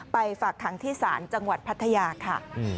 ฝากขังที่ศาลจังหวัดพัทยาค่ะ